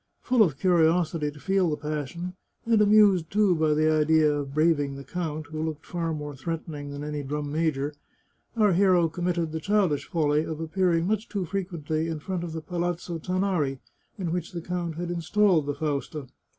Full of curiosity to feel the passion, and amused, too, by the idea of braving the count, who looked far more threatening than any drum major, our hero committed the childish folly of appearing much too frequently in front of the Palazzo Tanari, in which the count had installed the Fausta.